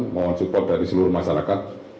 mohon support dari seluruh masyarakat